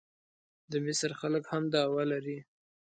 د مصر خلک هم دعوه لري.